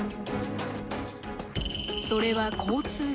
それは交通事故。